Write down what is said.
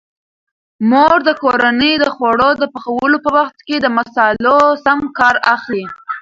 مور د کورنۍ د خوړو د پخولو په وخت د مصالحو سم کار اخلي.